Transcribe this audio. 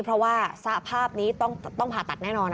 เพราะว่าสภาพนี้ต้องผ่าตัดแน่นอน